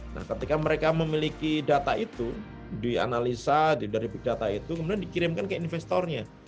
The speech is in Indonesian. nah ketika mereka memiliki data itu dianalisa dari big data itu kemudian dikirimkan ke investornya